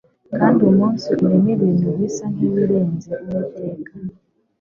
Kandi umunsi urimo ibintu bisa nkibirenze Uwiteka